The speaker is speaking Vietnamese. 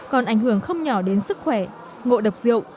còn ảnh hưởng không nhỏ đến sức khỏe ngộ độc rượu